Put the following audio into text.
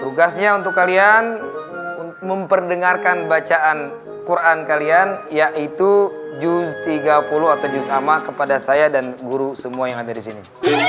tugasnya untuk kalian memperdengarkan bacaan quran kalian yaitu juz tiga puluh atau juz ama kepada saya dan guru semua yang ada di sini